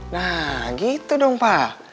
nah gitu dong pak